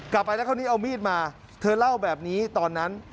กลับไปแล้วคราวนี้เอามีดมาเธอเล่าแบบนี้ตอนนั้น